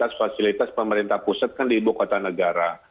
fasilitas fasilitas pemerintah pusat kan di ibu kota negara